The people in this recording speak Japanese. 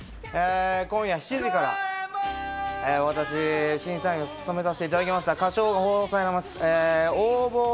今夜７時から私、審査員をつとめさせていただきました『歌唱王』が放送されます。